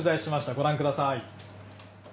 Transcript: ご覧ください。